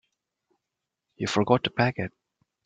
You forgot to pack it.